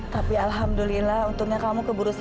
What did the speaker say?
tapi alhamdulillah untungnya kamu keburu sadar